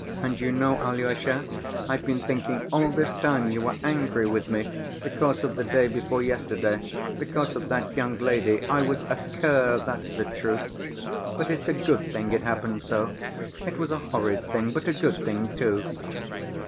And you know, Alyosha, I've been thinking all this time you were angry with me, because of the day before yesterday, because of that young lady. I was a cur, that's the truth.... But it's a good thing it happened so. It was a horrid thing, but a good thing too."